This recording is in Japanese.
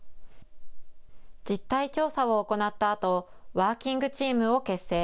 実態調査を行ったあとワーキングチームを結成。